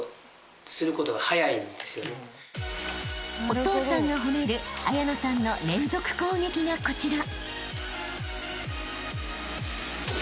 ［お父さんが褒める彩乃さんの連続攻撃がこちら］